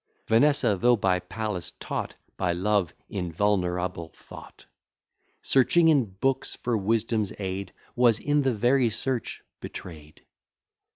Vanessa, though by Pallas taught, By Love invulnerable thought, Searching in books for wisdom's aid, Was, in the very search, betray'd.